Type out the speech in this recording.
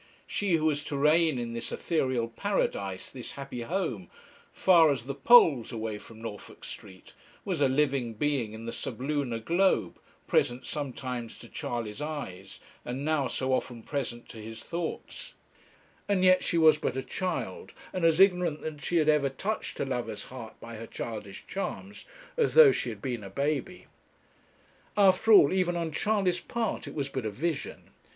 She who was to reign in this ethereal paradise, this happy home, far as the poles away from Norfolk Street, was a living being in the sublunar globe, present sometimes to Charley's eyes, and now so often present to his thoughts; and yet she was but a child, and as ignorant that she had ever touched a lover's heart by her childish charms as though she had been a baby. After all, even on Charley's part, it was but a vision.